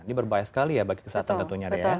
ini berbahaya sekali ya bagi kesehatan tentunya